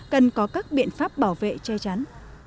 cần có các biện pháp bảo vệ che chắn